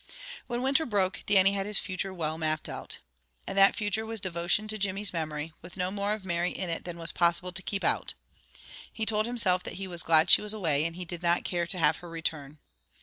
When winter broke, Dannie had his future well mapped out. And that future was devotion to Jimmy's memory, with no more of Mary in it than was possible to keep out. He told himself that he was glad she was away and he did not care to have her return.